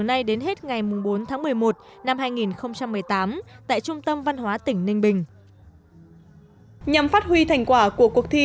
ngày bốn tháng một mươi một năm hai nghìn một mươi tám tại trung tâm văn hóa tỉnh ninh bình nhằm phát huy thành quả của cuộc thi